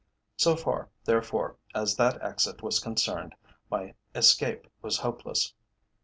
So far, therefore, as that exit was concerned, my escape was hopeless.